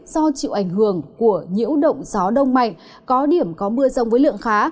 do chịu ảnh hưởng của nhiễu động gió đông mạnh có điểm có mưa rông với lượng khá